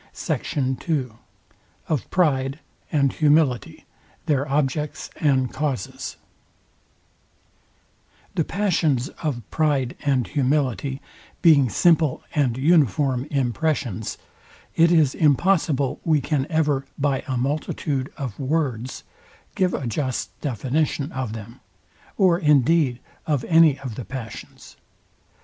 SECT. II OF PRIDE AND HUMILITY, THEIR OBJECTS AND CAUSES The passions of PRIDE and HUMILITY being simple and uniform impressions, it is impossible we can ever, by a multitude of words, give a just definition of them, or indeed of any of the passions.